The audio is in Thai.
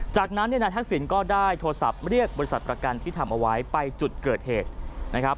จากนั้นเนี่ยนายทักษิณก็ได้โทรศัพท์เรียกบริษัทประกันที่ทำเอาไว้ไปจุดเกิดเหตุนะครับ